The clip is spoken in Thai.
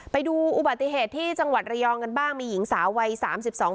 ไปดูอุบัติเหตุที่จังหวัดระยองกันบ้างมีหญิงสาววัยสามสิบสอง